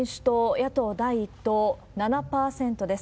・野党第１党７％です。